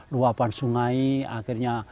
luapan sungai akhirnya